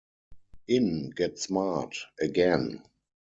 In Get Smart, Again!